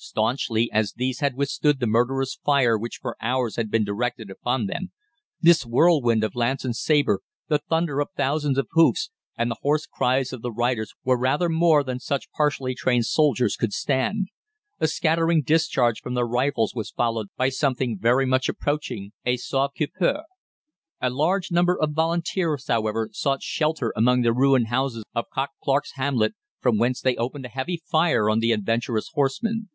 Staunchly as these had withstood the murderous fire which for hours had been directed upon them, this whirlwind of lance and sabre, the thunder of thousands of hoofs, and the hoarse cries of the riders, were rather more than such partially trained soldiers could stand. A scattering discharge from their rifles was followed by something very much approaching a sauve qui peut. "A large number of Volunteers, however, sought shelter among the ruined houses of Cock Clarke's hamlet, from whence they opened a heavy fire on the adventurous horsemen.